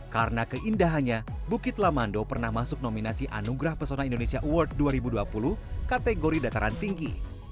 karena keindahannya bukit lamando pernah masuk nominasi anugrah pesona indonesia award dua ribu dua puluh kategori dataran tinggi